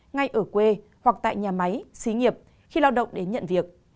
ngay ở quê hoặc tại nhà máy xí nghiệp khi lao động đến nhận việc